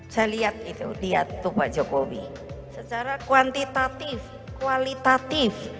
saya lihat itu diatur pak jokowi secara kuantitatif kualitatif